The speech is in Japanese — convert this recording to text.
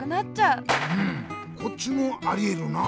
うんこっちもありえるな。